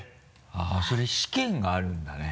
あぁそれで試験があるんだね。